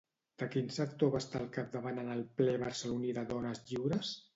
De quin sector va estar al capdavant en el ple barceloní de Dones Lliures?